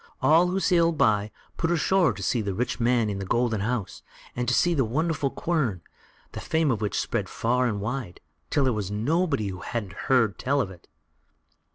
All who sailed by, put ashore to see the rich man in the golden house, and to see the wonderful quern, the fame of which spread far and wide, till there was nobody who hadn't heard tell of it.